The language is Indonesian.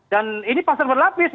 dan ini pasar berlapis